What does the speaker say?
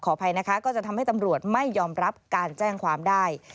อภัยนะคะก็จะทำให้ตำรวจไม่ยอมรับการแจ้งความได้